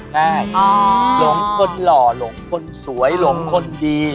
ใช่หลงคนหล่อหลงคนสวยหลงคนดี